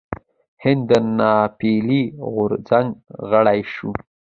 هند د ناپیيلي غورځنګ غړی شو.